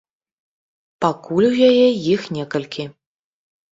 Пакуль у яе іх некалькі.